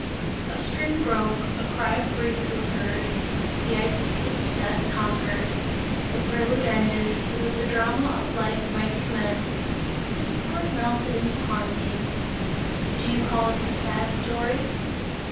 A string broke, a cry of grief was heard, the icy kiss of death conquered; the prelude ended; so that the drama of life might commence, discord melted into harmony. Do you call this a sad story?